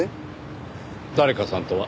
誰かさんとは？